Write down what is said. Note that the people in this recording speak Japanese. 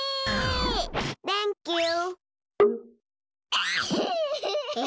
サンキュー！